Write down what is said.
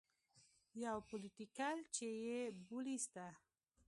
يو پوليټيکل چې يې بولي سته.